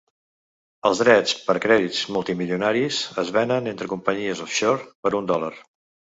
Els drets per crèdits multimilionaris es venen entre companyies ‘offshore’ per un dòlar.